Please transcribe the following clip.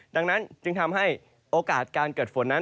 ดังนั้นจึงทำให้โอกาสการเกิดฝนนั้น